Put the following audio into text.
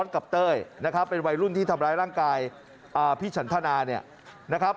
กับเต้ยนะครับเป็นวัยรุ่นที่ทำร้ายร่างกายพี่ฉันทนาเนี่ยนะครับ